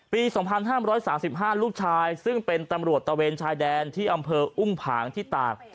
ปี๒๕๓๕ลูกชายซึ่งเป็นตำรวจตะเวนชายแดนที่อำเภออุ้มผางที่ตาก